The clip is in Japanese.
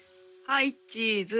はいチーズ。